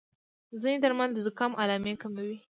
ځینې درمل د زکام علامې کموي.